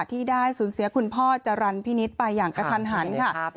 ที่ได้สูญเสียคุณพ่อจรรย์พินิษฐ์ไปอย่างกระทันหันค่ะ